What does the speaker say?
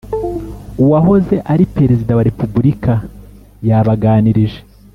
uwahoze ari perezida wa repubulika yabaganirije